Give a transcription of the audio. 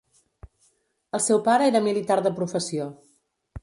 El seu pare era militar de professió.